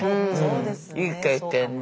いい経験で。